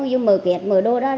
rồi mở kẹt mở đồ ra